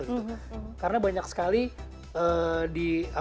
tapi diterjemahkan dalam versi horror gitu